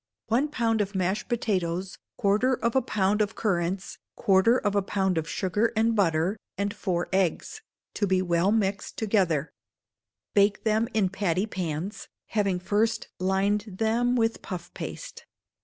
One pound of mashed potatoes, quarter of a pound of currants, quarter of a pound of sugar and butter, and four eggs, to be well mixed together; bake them in patty pans, having first lined them with puff paste.